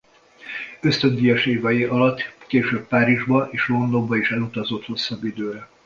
Ösztöndíjas évei alatt később Párizsba és Londonba is elutazott hosszabb időre.